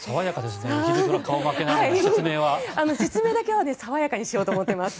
説明だけは爽やかにしようと思っています。